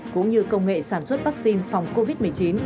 cũng như công nghệ sản xuất vaccine phòng covid một mươi chín